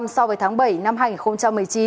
so với tháng bảy năm hai nghìn một mươi chín